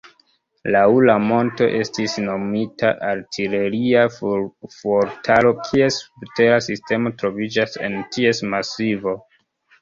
Laŭ la monto estis nomita artileria fuortaro, kies subtera sistemo troviĝas en ties masivo.